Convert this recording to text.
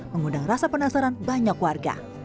mengundang rasa penasaran banyak warga